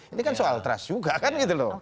ini kan soal trust juga kan gitu loh